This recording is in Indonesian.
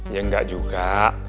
ya gak juga